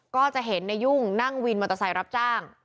ก็จะเห็นในยุ่งนั่งวินมอเตอร์ไซค์รับจ้าง